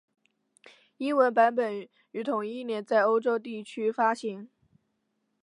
英文版本于同一年在欧洲地区发行。